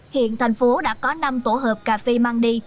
hiện thành phố đã có năm tổ hợp cà phê mang đi